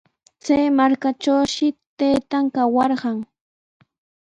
Chay markatrawshi taytan kawarqan.